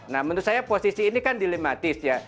nah menurut saya posisi ini kan dilematis ya